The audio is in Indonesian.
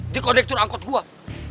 dia yang nemenin gua disaat gua susah